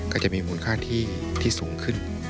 ก็จะมีมูลค่าที่สูงขึ้น